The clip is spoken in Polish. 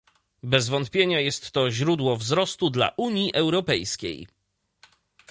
Bez wątpienia jest to źródło wzrostu dla Unii Europejskiej